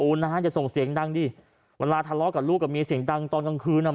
นะฮะอย่าส่งเสียงดังดิเวลาทะเลาะกับลูกกับเมียเสียงดังตอนกลางคืนอ่ะ